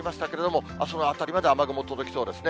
も、阿蘇の辺りまで雨雲届きそうですね。